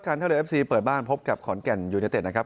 ท่าเรือเอฟซีเปิดบ้านพบกับขอนแก่นยูเนเต็ดนะครับ